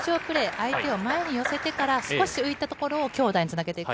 相手を前に寄せてから、少し浮いたところを強打につなげていく。